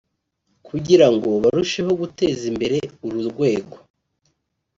kugira ngo barusheho guteza imbere uru rwego